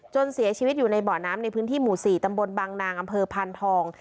เสียชีวิตอยู่ในบ่อน้ำในพื้นที่หมู่๔ตำบลบางนางอำเภอพานทอง